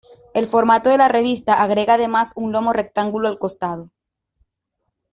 El formato de la revista agrega además un lomo rectangular al costado.